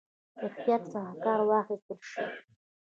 احتیاط څخه کار واخیستل شي.